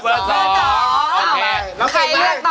เบอร์๒เบอร์๒